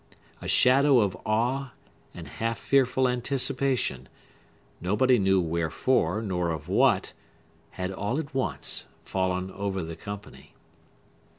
A shadow of awe and half fearful anticipation—nobody knew wherefore, nor of what—had all at once fallen over the company.